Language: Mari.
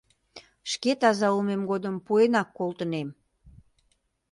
Шке таза улмем годым пуэнак колтынем...